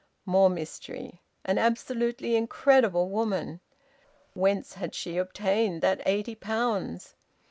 More mystery! An absolutely incredible woman! Whence had she obtained that eighty pounds?